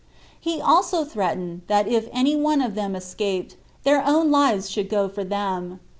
He also threatened, that if any one of them escaped, their own lives should go for them.